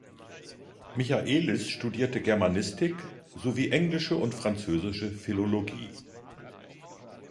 Michaelis studierte Germanistik sowie englische und französische Philologie.